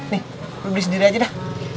nih beli sendiri aja deh